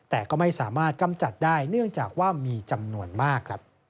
แต่ก็ไม่สามารถกำจัดได้เนื่องจากว่ามีจำนวนมาก